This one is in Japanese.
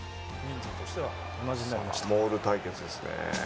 モール対決ですね。